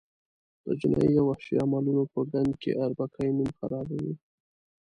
د جنایي او وحشي عملونو په ګند کې اربکي نوم خرابوي.